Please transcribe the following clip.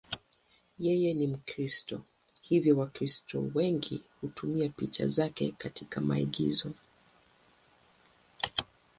Yeye ni Mkristo, hivyo Wakristo wengi hutumia picha zake katika maigizo.